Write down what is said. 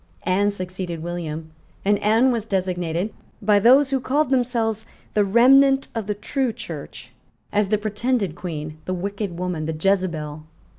Anne succeeded William; and Anne was designated, by those who called themselves the remnant of the true Church, as the pretended Queen, the wicked woman, the Jezebel.